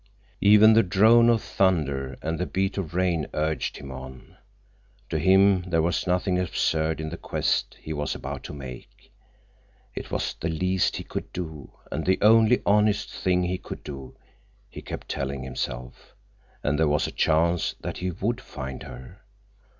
Even the drone of thunder and the beat of rain urged him on. To him there was nothing absurd in the quest he was about to make. It was the least he could do, and the only honest thing he could do, he kept telling himself. And there was a chance that he would find her.